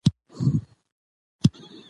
دا سپکه لهجه اوګورم